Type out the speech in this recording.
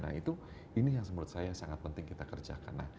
nah itu ini yang menurut saya sangat penting kita kerjakan